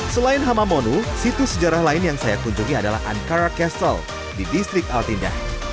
selain hamamonu situs sejarah lain yang saya kunjungi adalah ankara castle di distrik altinda